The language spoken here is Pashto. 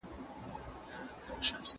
د پیښور د خلګو سره یې څنګه چلند وکړ؟